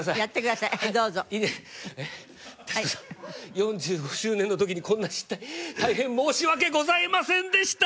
４５周年の時にこんな失態大変申し訳ございませんでした！